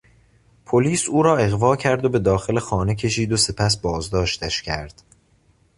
پلیس او را اغوا کرد و به داخل خانه کشید و سپس بازداشتش کرد.